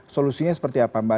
solusinya seperti apa mbak